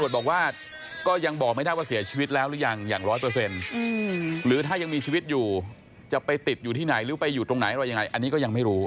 บอกว่าก็ยังบอกไม่ได้ว่าเสียชีวิตแล้วหรือยังอย่างร้อยเปอร์เซ็นต์หรือถ้ายังมีชีวิตอยู่จะไปติดอยู่ที่ไหนหรือไปอยู่ตรงไหนอะไรยังไงอันนี้ก็ยังไม่รู้